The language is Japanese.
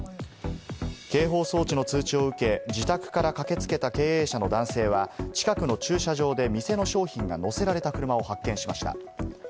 警報装置の通知を受け、自宅から駆けつけた経営者の男性は近くの駐車場で店の商品が乗せられた車を発見しました。